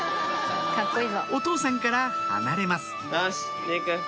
お父さんから離れますよし莉来。